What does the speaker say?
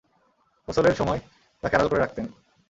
গোসলের সময় তাকে আড়াল করে রাখতেন।